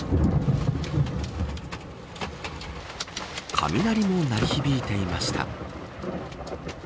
雷も鳴り響いていました。